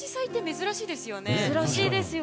珍しいですね。